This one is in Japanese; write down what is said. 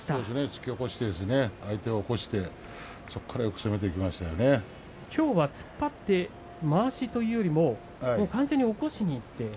突き起こして相手を起こして、そこからきょうは突っ張ってまわしというよりも完全に起こしにいって。